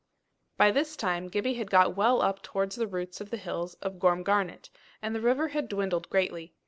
By this time Gibbie had got well up towards the roots of the hills of Gormgarnet, and the river had dwindled greatly.